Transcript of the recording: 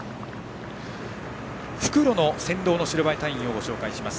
復路の先導の白バイ隊員をご紹介します。